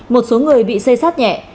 một số người bị xây sát nhẹ